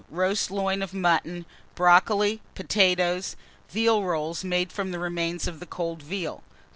Roast loin of mutton, brocoli, potatoes; veal rolls made from remains of cold veal.